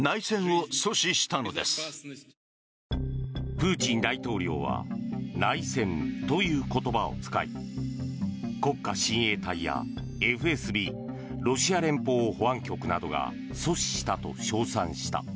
プーチン大統領は内戦という言葉を使い国家親衛隊やＦＳＢ・ロシア連邦保安局などが阻止したと称賛した。